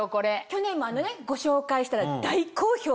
去年もご紹介したら大好評で。